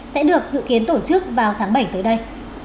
sẽ được dự kiến tổ chức vào tháng bảy tới đây